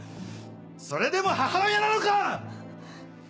それでも母親なのか！